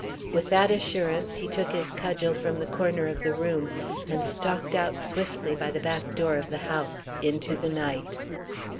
With that assurance he took his cudgel from the corner of the room, and stalked out swiftly by the back door of the house into the night.